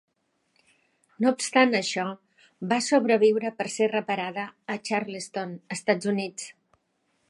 No obstant això, va sobreviure per ser reparada a Charleston, Estats Units.